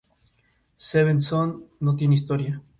Consiste en vencer el temor y huir de la temeridad.